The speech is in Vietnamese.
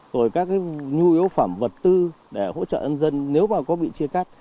rồi các nhu yếu phẩm vật tư để hỗ trợ nhân dân nếu mà có bị chia cắt